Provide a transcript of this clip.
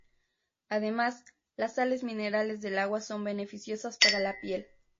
Además, las sales minerales del agua son beneficiosas para la piel.